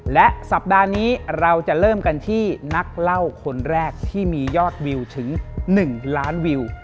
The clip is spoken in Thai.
และสัปดาห์นี้เราจะเริ่มกันที่นักเล่าคนแรกที่มียอดวิวถึง๑ล้านวิว